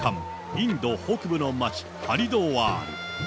インド北部の街、ハリドワール。